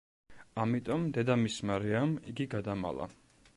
ამიტომ დედამისმა რეამ იგი გადამალა.